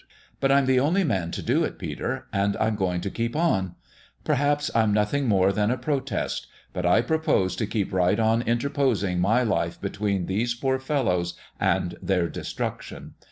But I'm the only man to do it, Peter, and I'm going to keep on. Perhaps I'm nothing more than a protest. But I propose to keep right on inter posing "my life between these poor fellows and their destruction.